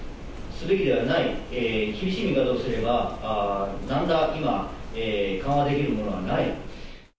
すべきではない、厳しい見方をすれば、なんら今、緩和できるものはない。